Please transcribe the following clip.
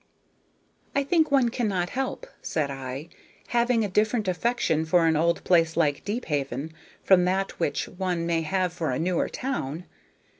"I think one cannot help," said I, "having a different affection for an old place like Deephaven from that which one may have for a newer town.